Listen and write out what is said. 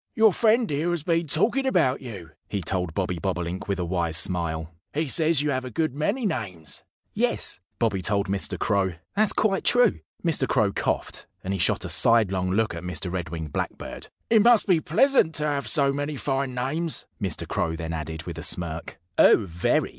"Your friend here has been talking about you," he told Bobby Bobolink with a wise smile. "He says you have a good many names." "Yes!" Bobby told Mr. Crow. "That's quite true." Mr. Crow coughed; and he shot a sidelong look at Mr. Red winged Blackbird. "It must be pleasant to have so many fine names," Mr. Crow then added, with a smirk. "Oh, very!"